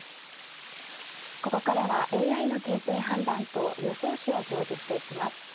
ここからはＡＩの形勢判断と予想手を表示していきます。